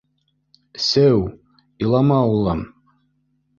— Сеү, илама улым.